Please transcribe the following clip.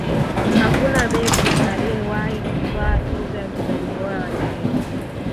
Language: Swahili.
hakuna beki aliyewahi kutwaa tuzo ya mchezaji bora wa dunia